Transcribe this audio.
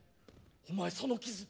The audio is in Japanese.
お前、その傷